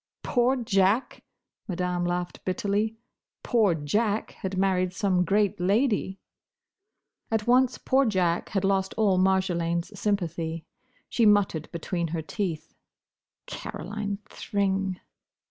"Poor Jack!" Madame laughed bitterly. "Poor Jack had married some great lady!" At once poor Jack had lost all Marjolaine's sympathy. She muttered between her teeth, "Caroline Thring."